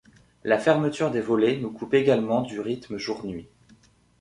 La fermeture des volets nous coupe également du rythme jour-nuit.